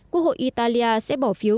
quốc hội italia sẽ bỏ phiếu